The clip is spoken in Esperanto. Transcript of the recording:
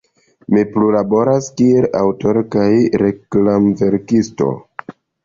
Mi plu laboras kiel aŭtoro kaj reklamverkisto.